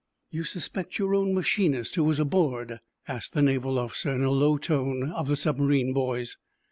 "You suspect your own machinist, who was aboard?" asked the naval officer, in a low tone, of the submarine boys.